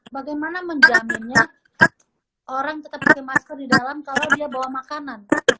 bagaimana menjaminnya orang tetap pakai masker di dalam kalau dia bawa makanan